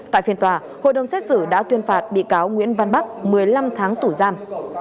tại phiên tòa hội đồng xét xử đã tuyên phạt bị cáo nguyễn văn bắc một mươi năm tháng tù giam